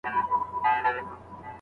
تولیدي مؤسسې باید وتړل شي.